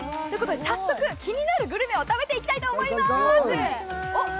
早速気になるグルメを食べていきたいと思います。